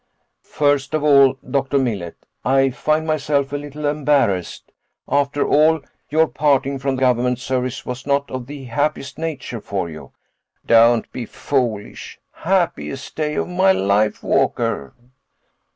"First of all, Dr. Millet, I find myself a little embarrassed. After all, your parting from government service was not of the happiest nature for you—" "Don't be foolish. Happiest day of my life, Walker."